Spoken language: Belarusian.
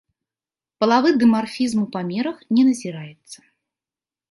Палавы дымарфізм ў памерах не назіраецца.